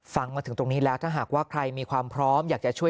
ฟังมาถึงตรงนี้แล้วถ้าหากว่าใครมีความพร้อมอยากจะช่วย